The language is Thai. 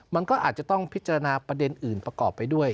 มันก็อาจจะต้องพิจารณาประเด็นอื่นประกอบไปด้วย